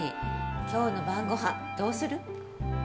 今日の晩ご飯どうする？